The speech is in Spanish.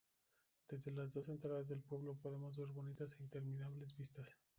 Desde las dos entradas del pueblo podemos ver bonitas e interminables vistas.